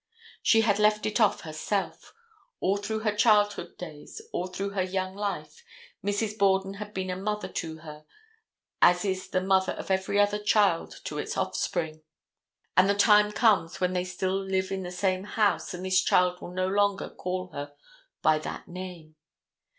She had left it off herself; all through her childhood days, all through her young life Mrs. Borden had been a mother to her as is the mother of every other child to its offspring, and the time comes when they still live in the same house and this child will no longer call her by that name.